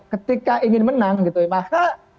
ketika ingin menang gitu ya maksudnya ya menang